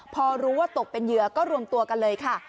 พอรู้ว่าตกเป็นเหยื่อก็รวมตัวกันเลยค่ะ